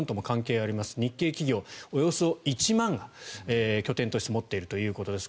日系企業はおよそ１万、拠点として持っているということです。